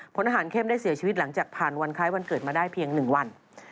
พลทหารเข้มได้เสียชีวิตหลังจากผ่านวันคล้ายวันเกิดมาได้เพียง๑วัน